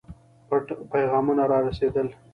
پټ پیغامونه را رسېدل.